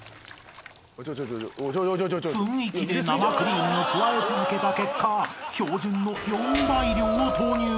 ［雰囲気で生クリームを加え続けた結果標準の４倍量を投入］